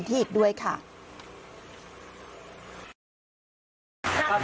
นั่งกิ่งข้าวอยู่น่าล้นแห่งจ่ะ